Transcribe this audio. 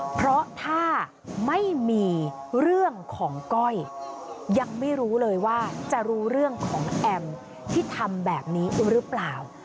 เพราะถ้าไม่มีเรื่องของก้อยยังไม่รู้เลยว่าจะรู้เรื่องของแอมที่ทำแบบนี้หรือเปล่า